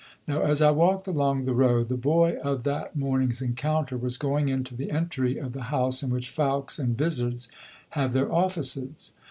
Now as I walked along the Row, the boy of that morning's encounter was going into the entry of the house in which Fowkes and Vizards have their offices.